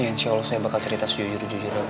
ya insya allah saya bakal cerita sejujur jujurnya pak